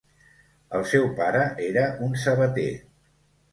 El seu pare era un sabater.